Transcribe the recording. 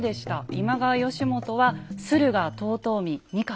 今川義元は駿河遠江三河。